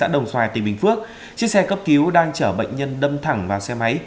đồng xoài tỉnh bình phước chiếc xe cấp cứu đang chở bệnh nhân đâm thẳng vào xe máy